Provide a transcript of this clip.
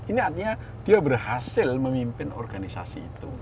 ini artinya dia berhasil memimpin organisasi itu